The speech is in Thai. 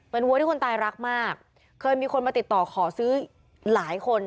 เป็นวัวที่คนตายรักมากเคยมีคนมาติดต่อขอซื้อหลายคน